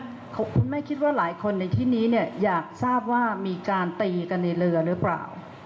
คุณแม่คิดว่าหลายคนในที่นี้เนี่ยอยากทราบว่ามีการตีกันในเรือหรือเปล่า